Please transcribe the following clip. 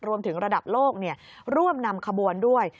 รวมถึงระดับโลกร่วมนำขบวนด้วย